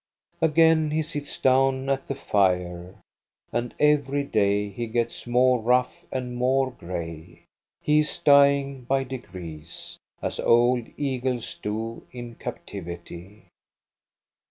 Again he sits down at the fire, and every day he gets more rough and more gray. He is dying by degrees, as old eagles do in captivity.